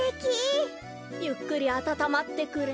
ゆっくりあたたまってくれ。